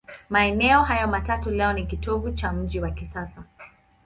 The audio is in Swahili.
Maeneo hayo matatu leo ni kitovu cha mji wa kisasa.